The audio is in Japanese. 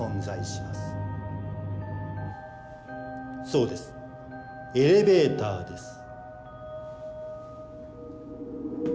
そうですエレベーターです。